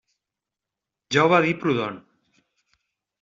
Ja ho va dir Proudhon.